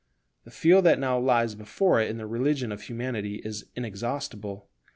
The field that now lies before it in the religion of Humanity is inexhaustible.